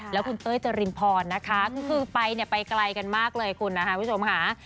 แล้วคุณเต้ยเจรินพรนะคะก็คือไปเนี่ยไปไกลกันมากเลยคุณนะคะคุณผู้ชมค่ะ